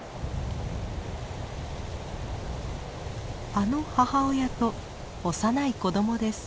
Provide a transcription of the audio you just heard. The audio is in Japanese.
あの母親と幼い子どもです。